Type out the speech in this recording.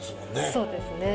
そうですね。